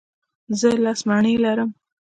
زه لس مڼې لرم.